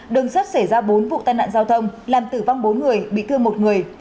đường sắt xảy ra bốn vụ tai nạn giao thông làm tử vong bốn người bị thương một người